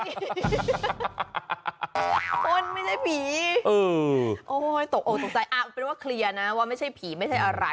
คนไม่ใช่ผีโอ้ยตกออกตกใจเป็นว่าเคลียร์นะว่าไม่ใช่ผีไม่ใช่อะไร